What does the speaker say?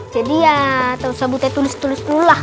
jadi ya tak usah bu ted tulis tulis dulu lah